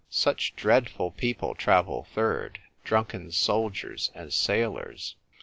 " Such dreadful people travel third — drunken soldiers and sailors